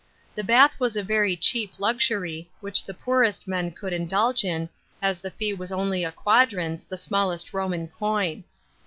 The bath was a very cheap luxury, which the poorest men could indulge in, as the lee was only a quadrans, the smallest Roman coin.